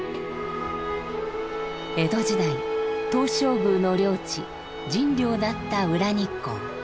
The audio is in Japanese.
江戸時代東照宮の領地神領だった裏日光。